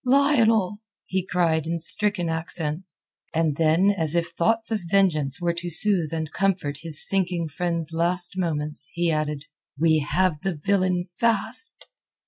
"Lionel!" he cried in stricken accents. And then as if thoughts of vengeance were to soothe and comfort his sinking friend's last moments, he added: "We have the villain fast."